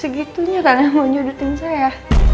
segini segitunya kalian mau nyudutin saya